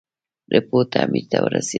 رپوټ امیر ته ورسېد.